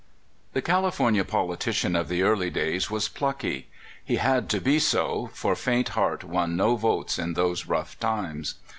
THE California politician of the early days was plucky. He had to be so, for faint heart won no votes in those rough times.